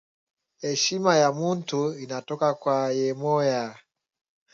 Eshima ya muntu inatoka kwa yemoya